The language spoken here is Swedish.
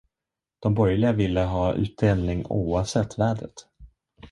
De borgerliga ville ha utdelning oavsett vädret.